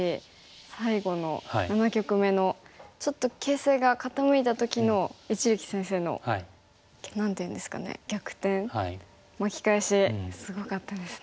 最後の７局目のちょっと形勢が傾いた時の一力先生の何て言うんですかね逆転巻き返しすごかったですね。